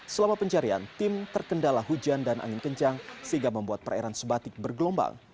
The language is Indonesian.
selama pencarian tim terkendala hujan dan angin kencang sehingga membuat perairan sebatik bergelombang